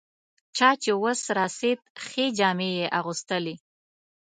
چا چې وس رسېد ښې جامې یې اغوستلې.